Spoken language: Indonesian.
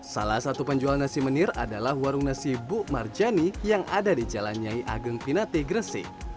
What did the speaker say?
salah satu penjual nasi menir adalah warung nasi buk marjani yang ada di jalan nyai ageng pinate gresik